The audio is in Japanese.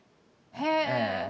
へえ！